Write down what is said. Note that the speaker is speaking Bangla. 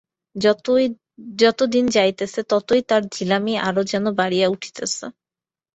যত দিন যাইতেছে ততই তার ঢিলামি আরো যেন বাড়িয়া উঠিতেছে।